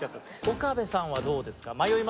岡部さんはどうですか？